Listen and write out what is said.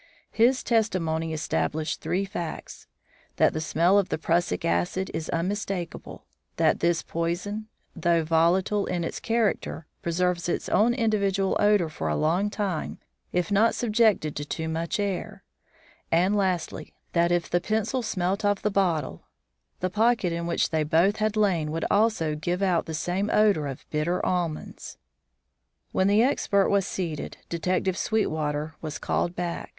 His testimony established three facts: that the smell of prussic acid is unmistakable; that this poison, though volatile in its character, preserves its own individual odour for a long time if not subjected to too much air; and, lastly, that if the pencil smelt of the bottle, the pocket in which they both had lain would also give out the same odour of bitter almonds. When the expert was seated, Detective Sweetwater was called back.